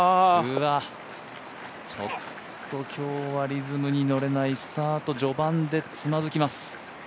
ちょっと今日はリズムに乗れないスタート序盤でつまずきます。